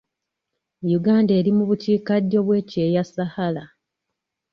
Uganda eri mu bukiikaddyo bw'ekyeya Sahara.